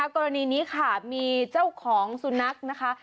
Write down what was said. กรณีนี้ค่ะมีเจ้าของสุนัขนะคะ